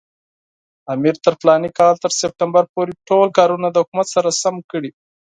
امیر تر فلاني کال تر سپټمبر پورې ټول کارونه د حکومت سره سم کړي.